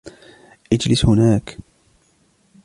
اجلس هناك.